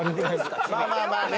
まあまあまあね。